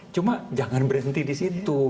cuma jangan berhenti di situ